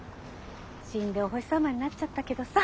死んでお星様になっちゃったけどさ。